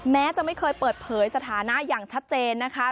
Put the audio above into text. แม้จะไม่เคยเปิดเผยสถานะอย่างชัดเจนนะคะ